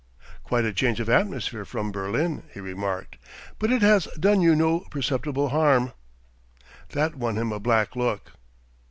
"Quite a change of atmosphere from Berlin," he remarked. "But it has done you no perceptible harm." That won him a black look.